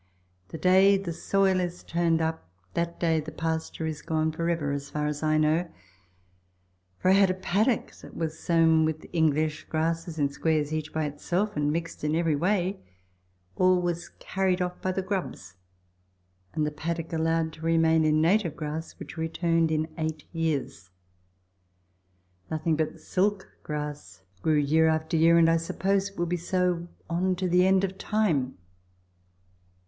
The day the soil is turned up, that day the pasture is gone for ever as far as I know, for I had a paddock that was soAvn with English grasses, in squares each by itself, aud mixed in every way. All was carried off by the grubs, and the paddock allowed to remain in native grass, \vhich returned in eight years. Nothing but silk grass grew year after year, and I suppose it would be so on to the end of time.